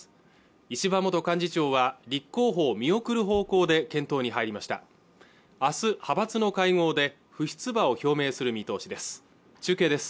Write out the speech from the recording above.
石破元幹事長は立候補を見送る方向で検討に入りました明日、派閥の会合で不出馬を表明する見通しです